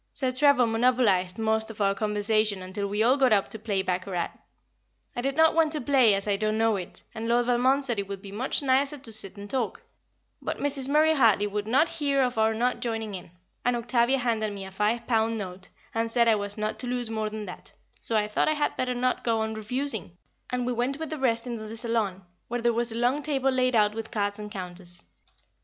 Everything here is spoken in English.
Sir Trevor monopolised most of the conversation, until we all got up to play baccarat. I did not want to play as I don't know it, and Lord Valmond said it would be much nicer to sit and talk, but Mrs. Murray Hartley would not hear of our not joining in; and Octavia handed me a five pound note and said I was not to lose more than that, so I thought I had better not go on refusing, and we went with the rest into the saloon, where there was a long table laid out with cards and counters.